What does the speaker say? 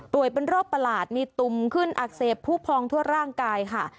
เป็นโรคประหลาดมีตุ่มขึ้นอักเสบผู้พองทั่วร่างกายค่ะ